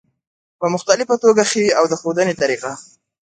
په مختلفه توګه ښي او د ښودنې طریقه